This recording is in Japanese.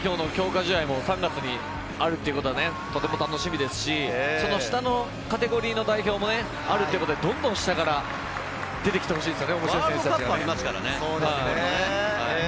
試合も３月にあるということはとても楽しみですし、下のカテゴリーの代表もあるということで、どんどん下から出てきてほしいですよね。